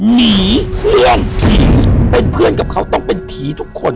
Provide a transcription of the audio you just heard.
หนีเพื่อนผีเป็นเพื่อนกับเขาต้องเป็นผีทุกคน